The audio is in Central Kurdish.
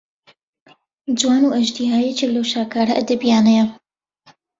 جوان و ئەژدیها یەکێک لەو شاکارە ئەدەبیانەیە